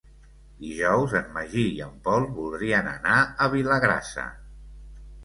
Dijous en Magí i en Pol voldrien anar a Vilagrassa.